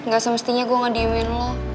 gak semestinya gue gak diemin lo